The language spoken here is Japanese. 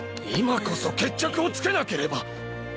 今こそ決着をつけなければ！